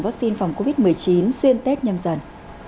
vắc xin phòng covid một mươi chín xuyên tết nhâm dần